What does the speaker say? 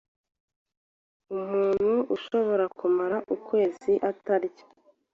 Umuntu ashobora kumara ukwezi atarya